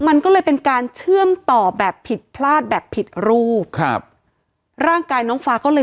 มันก็เลยเป็นการเชื่อมต่อแบบผิดพลาดแบบผิดรูปครับร่างกายน้องฟ้าก็เลย